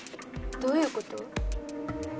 どういうこと？